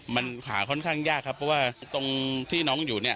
มันขาค่อนข้างยากครับเพราะว่าตรงที่น้องอยู่เนี่ย